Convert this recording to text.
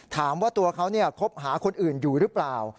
ถามว่าตัวเขาคบหาคนอื่นอยู่หรือเปล่า